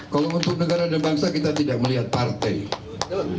kalau untuk negara dan bangsa kita tidak melihat partai